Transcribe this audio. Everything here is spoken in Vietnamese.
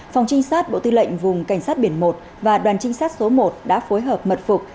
phòng trinh sát bộ tư lệnh vùng cảnh sát biển một và đoàn trinh sát số một đã phối hợp mật phục